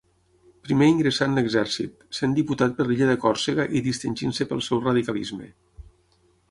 Primer ingressà en l'exèrcit, sent diputat per l'illa de Còrsega i distingint-se pel seu radicalisme.